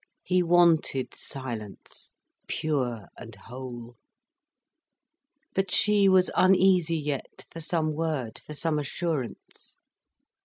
He wanted silence, pure and whole. But she was uneasy yet for some word, for some assurance.